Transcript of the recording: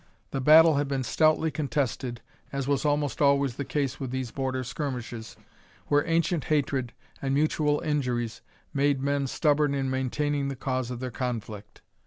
The battle had been stoutly contested, as was almost always the case with these Border skirmishes, where ancient hatred, and mutual injuries, made men stubborn in maintaining the cause of their conflict.